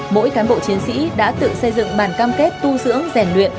mỗi cán bộ chiến sĩ đã tự xây dựng bàn cam kết tu sưỡng rèn luyện